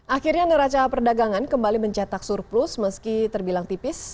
akhirnya neraca perdagangan kembali mencetak surplus meski terbilang tipis